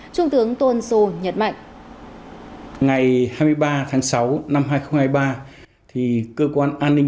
trung tướng tôn sô nhật mạnh